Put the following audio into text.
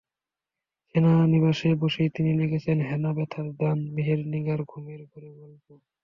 সেনানিবাসে বসেই তিনি লিখেছেন হেনা, ব্যথার দান, মেহের নিগার, ঘুমের ঘোরে গল্প।